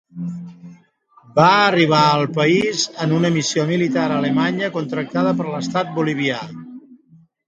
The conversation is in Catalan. Va arribar al país en una missió militar alemanya contractada per l'estat bolivià.